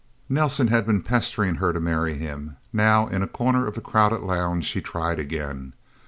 Nelsen had been pestering her to marry him. Now, in a corner of the crowded lounge, he tried again.